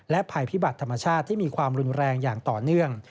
ภัยพิบัติธรรมชาติที่มีความรุนแรงอย่างต่อเนื่อง